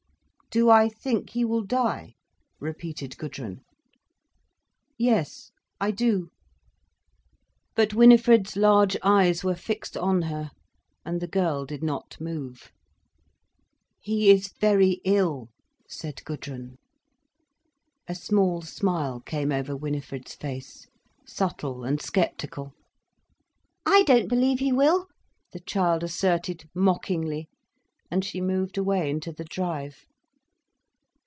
"Do I think he will die?" repeated Gudrun. "Yes, I do." But Winifred's large eyes were fixed on her, and the girl did not move. "He is very ill," said Gudrun. A small smile came over Winifred's face, subtle and sceptical. "I don't believe he will," the child asserted, mockingly, and she moved away into the drive.